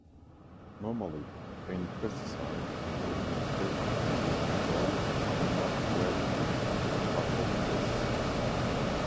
Normally, any pesticide can only be expected to control, but not eradicate, agricultural pests.